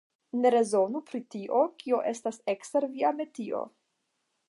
Ne rezonu pri tio, kio estas ekster via metio.